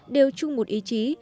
đều chung một ý chí